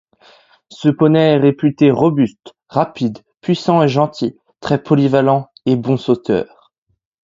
Ce poney est réputé robuste, rapide, puissant et gentil, très polyvalent et bon sauteur.